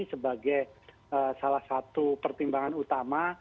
sebagai salah satu pertimbangan utama